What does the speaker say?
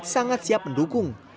sangat siap mendukung